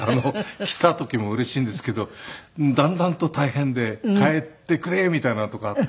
来た時もうれしいんですけどだんだんと大変で帰ってくれみたいなのとかあって。